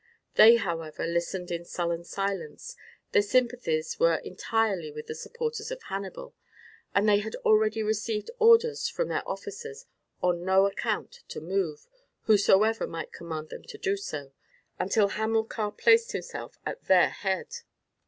They, however, listened in sullen silence, their sympathies were entirely with the supporters of Hannibal, and they had already received orders from their officers on no account to move, whosoever might command them to do so, until Hamilcar placed himself at their head.